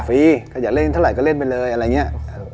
ฟรีถ้าอยากเล่นเท่าไหร่ก็เล่นไปเลยอะไรเนี่ย